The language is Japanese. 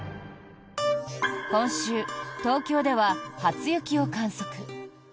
今週、東京では初雪を観測。